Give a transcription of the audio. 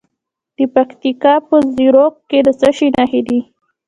د پکتیکا په زیروک کې د څه شي نښې دي؟